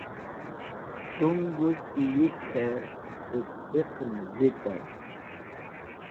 T̃ung gushti yit k̃hẽ sẽk hiqẽn vite.